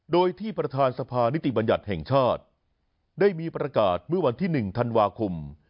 โดยที่ประธานสภานิติบัญญัติแห่งชาติได้มีประกาศเมื่อวันที่๑ธันวาคม